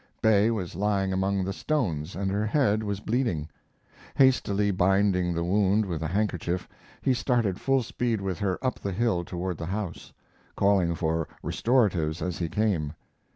Bay was lying among the stones and her head was bleeding. Hastily binding the wound with a handkerchief he started full speed with her up the hill toward the house, calling for restoratives as he came.